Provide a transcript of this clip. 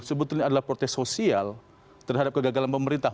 sebetulnya adalah protes sosial terhadap kegagalan pemerintah